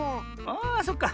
あそっか。